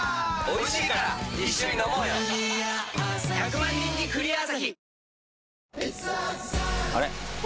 １００万人に「クリアアサヒ」